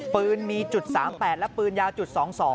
ปืนมีจุด๓๘และปืนยาวจุด๒๒